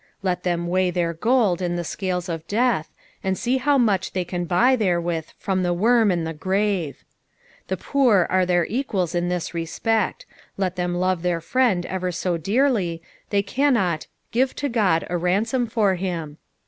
Let them weigh their gold in the scales of death, and sec how much they can buy therewith from the worm and the grove. The poor are their equals in this respect ; let them love their friend ever so dearly, they cannot "give to Qod a ranmtm for him.